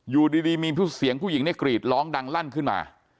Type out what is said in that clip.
อยู่ดีมีเสียงผู้หญิงเนี่ยกรีดร้องดังลั่นขึ้นมา